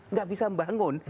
nggak bisa membangun